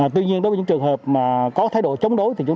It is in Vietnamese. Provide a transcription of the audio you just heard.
tuy nhiên đối với những trường hợp mà có thái độ chống đối